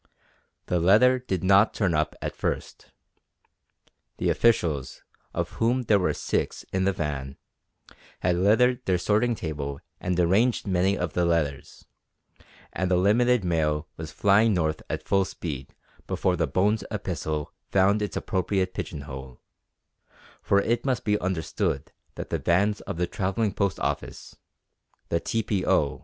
The letter did not turn up at first. The officials, of whom there were six in the van, had littered their sorting table and arranged many of the letters, and the limited mail was flying north at full speed before the Bones epistle found its appropriate pigeon hole for it must be understood that the vans of the Travelling Post Office the T.P.O.